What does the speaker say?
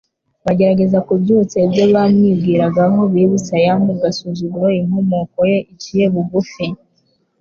Bagerageza kubyutsa ibyo bamwibwiragaho bibutsaya mu gasuzuguro inkomoko ye iciye bugufi.